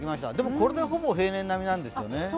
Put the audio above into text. これでほぼ平年並みなんですよね。